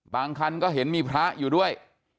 คันก็เห็นมีพระอยู่ด้วย